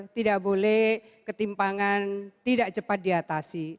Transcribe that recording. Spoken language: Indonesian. tidak boleh ketimpangan tidak cepat diatasi